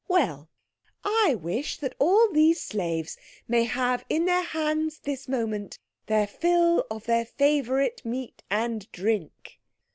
Well, I wish that all these slaves may have in their hands this moment their fill of their favourite meat and drink."